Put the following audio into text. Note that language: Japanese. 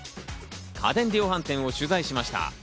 家電量販店を取材しました。